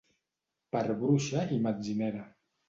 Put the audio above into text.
"Per bruixa i metzinera"